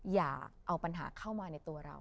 อย่าเอาปัญหาเข้ามาในตัวเรา